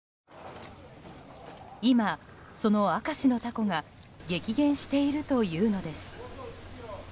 今、その明石のタコが激減しているというのです。